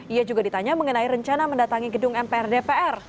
ia juga ditanya mengenai rencana mendatangi gedung mpr dpr